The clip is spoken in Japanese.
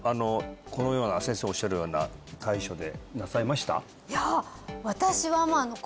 このような先生おっしゃるような対処でなさいました？